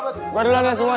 baru baru aja semua ya